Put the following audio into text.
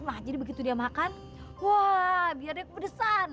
nah jadi begitu dia makan wah biarnya kepedesan